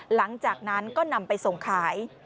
หลังจากนั้นก็นำไปส่งขาย